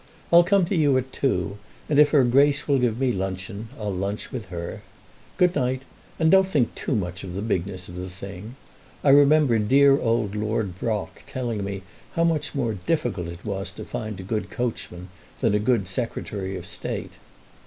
I'll come to you at two, and if her Grace will give me luncheon, I'll lunch with her. Good night, and don't think too much of the bigness of the thing. I remember dear old Lord Brock telling me how much more difficult it was to find a good coachman than a good Secretary of State."